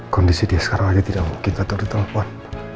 kondisi dia sekarang saja tidak mungkin tetap ditelepon